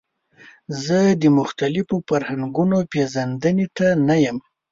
زه د مختلفو فرهنګونو پیژندنې ته نه یم.